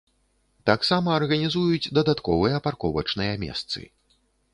Таксама арганізуюць дадатковыя парковачныя месцы.